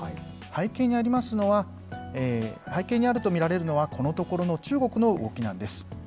背景にありますのは、背景にあると見られるのは、このところの中国の動きなんです。